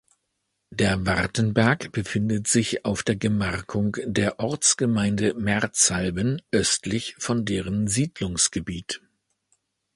Der Wartenberg befindet sich auf der Gemarkung der Ortsgemeinde Merzalben östlich von deren Siedlungsgebiet.